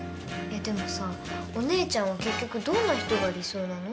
でもさお姉ちゃんは結局どんな人が理想なの？